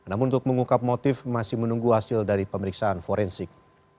namun untuk mengungkap motif masih menunggu hasil dari pemeriksaan forensik